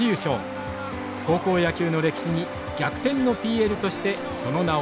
高校野球の歴史に逆転のＰＬとしてその名を刻みました。